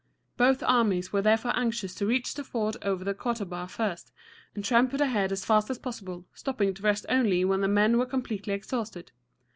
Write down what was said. Both armies were therefore anxious to reach the ford over the Ca taw´ba first, and tramped ahead as fast as possible, stopping to rest only when the men were completely exhausted.